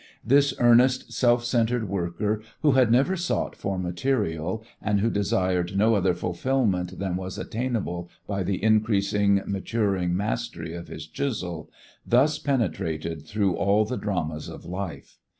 This earnest, self centred worker who had never sought for material and who desired no other fulfilment than was attainable by the increasingly maturing mastery of his chisel thus penetrated through all the dramas of life.